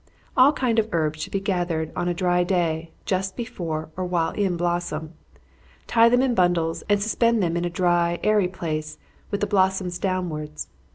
_ All kinds of herbs should be gathered on a dry day, just before, or while in blossom. Tie them in bundles, and suspend them in a dry, airy place, with the blossoms downwards.